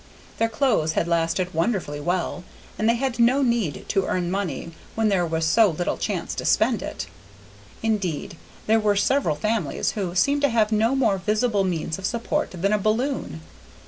Their clothes had lasted wonderfully well, and they had no need to earn money when there was so little chance to spend it; indeed, there were several families who seemed to have no more visible means of support than a balloon.